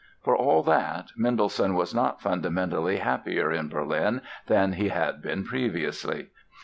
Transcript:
For all that, Mendelssohn was not fundamentally happier in Berlin than he had been previously.